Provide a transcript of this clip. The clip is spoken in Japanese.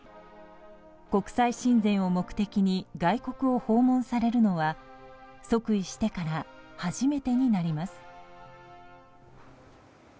国際親善を目的に外国を訪問されるのは即位してから初めてになります。